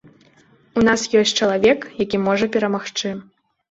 У нас ёсць чалавек, які можа перамагчы.